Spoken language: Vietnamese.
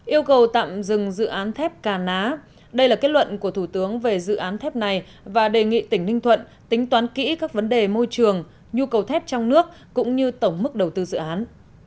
yêu cầu tạm dừng dự án thép cà ná đây là kết luận của thủ tướng về dự án thép này và đề nghị tỉnh ninh thuận tính toán kỹ các vấn đề môi trường nhu cầu thép trong nước cũng như tổng mức đầu tư dự án